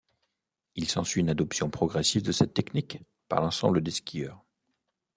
Il s'ensuit une adoption progressive de cette technique par l'ensemble des skieurs.